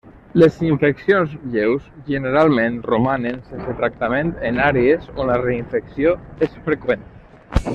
Les infeccions lleus generalment romanen sense tractament en àrees on la reinfecció és freqüent.